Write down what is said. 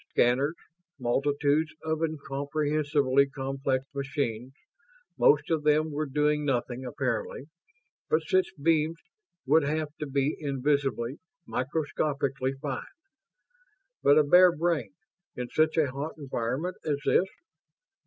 Scanners multitudes of incomprehensibly complex machines most of them were doing nothing, apparently; but such beams would have to be invisibly, microscopically fine. But a bare brain, in such a hot environment as this....